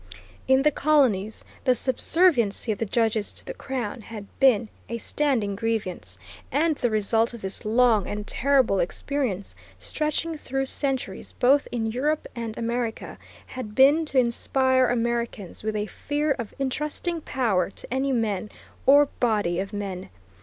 In the colonies the subserviency of the judges to the Crown had been a standing grievance, and the result of this long and terrible experience, stretching through centuries both in Europe and America, had been to inspire Americans with a fear of intrusting power to any man or body of men.